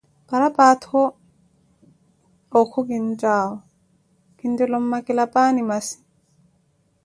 Paraphato okhu kinttaawo kinttela ommakela paani masi?